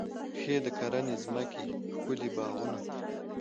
ښې د کرنې ځمکې، ښکلي باغونه